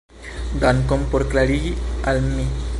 Dankon por klarigi al mi.